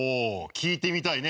聞いてみたいね